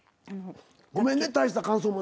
ごめんね大した感想もなくて。